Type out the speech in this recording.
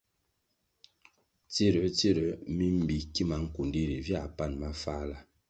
Tsiruer - tsiruer mi mbi kima nkundi ri viãh pan mafáhla.